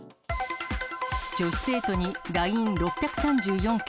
女子生徒にＬＩＮＥ６３４件。